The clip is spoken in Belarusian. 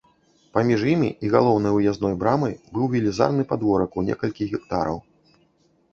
Паміж ім і галоўнай уязной брамай быў велізарны падворак у некалькі гектараў.